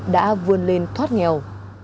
đã vươn lên thoát nghèo